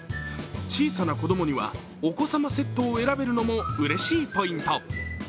小さな子供にはお子様セットを選べるのもうれしいポイント。